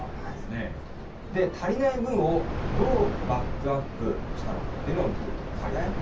で、足りない分をどうバックアップしたのかというのを見ていきますね。